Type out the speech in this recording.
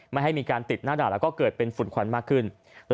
ไม่ให้มีการติดหน้าด่านแล้วก็เกิดเป็นฝุ่นควันมากขึ้น